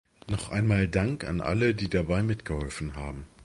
Noch einmal Dank an alle, die dabei mitgeholfen haben.